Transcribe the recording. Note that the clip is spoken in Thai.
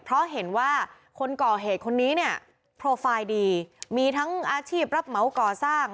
เพราะเห็นว่าคนก่อเหตุคนนี้เนี่ยโปรไฟล์ดีมีทั้งอาชีพรับเหมาก่อสร้าง